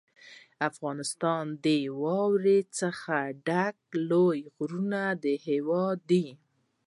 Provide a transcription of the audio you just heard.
افغانستان د واورو څخه د ډکو لوړو غرونو هېواد دی.